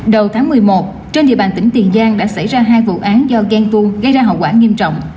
đầu tháng một mươi một trên địa bàn tỉnh tiền giang đã xảy ra hai vụ án do ghen tu gây ra hậu quả nghiêm trọng